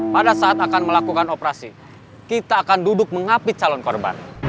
pada saat akan melakukan operasi kita akan duduk mengapit calon korban